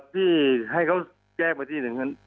ที่ให้เขาแก้บที่๑